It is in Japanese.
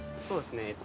そうですね。